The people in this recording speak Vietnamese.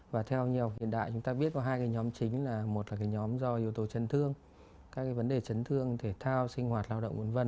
và theo nhiều hiện đại chúng ta biết có hai nhóm chính là một là nhóm do yếu tố chấn thương các vấn đề chấn thương thể thao sinh hoạt lao động v v